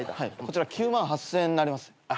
こちら９万８，０００円になります。